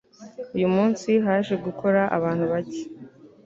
uyu munsi haje gukora abantu bake